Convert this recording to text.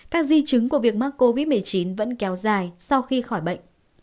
các di chứng của việc mắc covid một mươi chín vẫn kéo dài sau khi khỏi bệnh